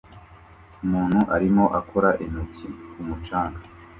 Umuntu arimo akora intoki ku mucanga